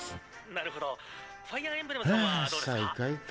「なるほどファイヤーエンブレムさんはどうですか？」